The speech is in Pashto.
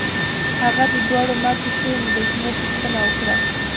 هغه د دواړو ماتو شویو مجسمو پوښتنه وکړه.